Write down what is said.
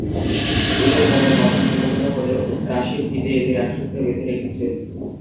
এঁদের মনের গঠন ভিন্ন ভিন্ন হলেও রাশির ফিতে এঁদের একসূত্রে বেঁধে রেখেছে।